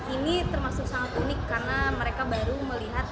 ini termasuk sangat unik karena mereka baru melihat